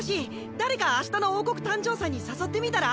誰か明日の王国誕生祭に誘ってみたら？